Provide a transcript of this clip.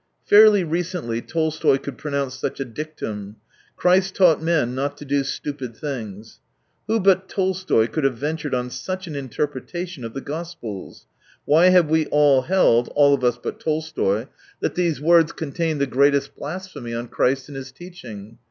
Fairly recently Tolstoy could pronounce such a dictum :" Christ taught men not to do stupid things." Who but Tolstoy could have ventured on such an interpretation of the gospels ? Why have we all held — all of us but Tolstoy — that these i68 words contained the greatest blasphemy on Christ and His teaching